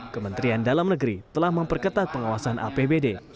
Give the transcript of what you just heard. kementerian dalam negeri telah memperketat pengawasan apbd